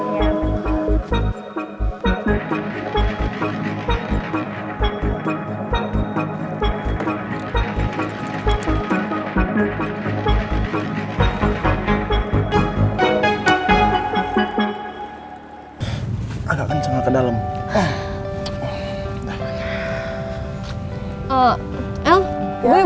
masalah yang pernah habis habis